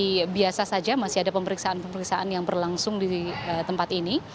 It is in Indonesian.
di biasa saja masih ada pemeriksaan pemeriksaan yang berlangsung di tempat ini